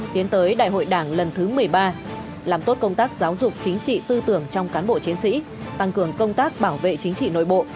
tiến tới đại hội đảng lần thứ một mươi ba làm tốt công tác giáo dục chính trị tư tưởng trong cán bộ chiến sĩ tăng cường công tác bảo vệ chính trị nội bộ